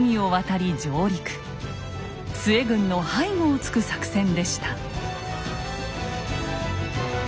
陶軍の背後をつく作戦でした。